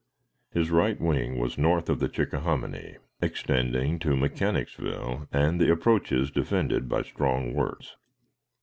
His right wing was north of the Chickahominy, extending to Mechanicsville, and the approaches defended by strong works.